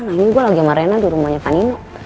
nah ini gue lagi sama rena di rumahnya panino